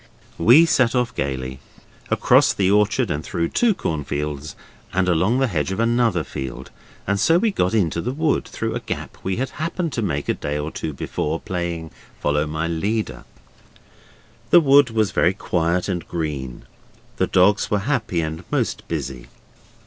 We set off gaily. Across the orchard and through two cornfields, and along the hedge of another field, and so we got into the wood, through a gap we had happened to make a day or two before, playing 'follow my leader'. The wood was very quiet and green; the dogs were happy and most busy.